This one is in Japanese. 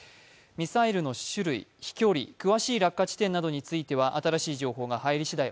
ミサイルの種類、飛距離詳しい落下地点などについては新しい情報が入りしだい